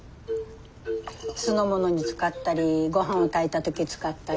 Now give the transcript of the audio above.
酢のものに使ったりごはんを炊いた時使ったり。